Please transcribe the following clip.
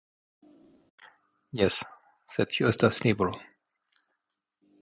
Jes, sed kio estas libro?